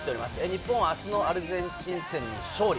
日本はそのアルゼンチン戦、勝利。